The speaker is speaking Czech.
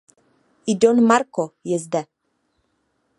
I don Marco je zde.